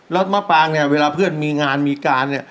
แล้วมะปางเนี่ยเวลาเพื่อนมีงานมีการเนี่ย